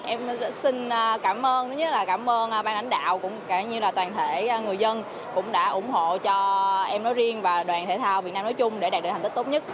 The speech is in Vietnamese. em xin cảm ơn thứ nhất là cảm ơn ban lãnh đạo cũng như là toàn thể người dân cũng đã ủng hộ cho em nói riêng và đoàn thể thao việt nam nói chung để đạt được thành tích tốt nhất